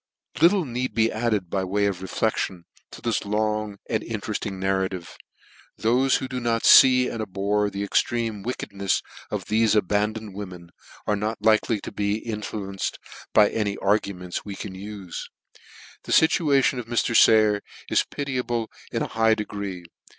Little need be added, by way of reflection, to this long and interefting narrative. Thofe who do nor fee and abhor the extreme wickednefs of thefe abandoned women; are not likely to be in fluenced by any arguments we can ufe. The fituation of Mr. Sayer is pitiable in a high degree.